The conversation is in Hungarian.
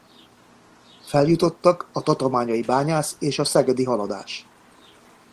Feljutottak a Tatabányai Bányász és a Szegedi Haladás.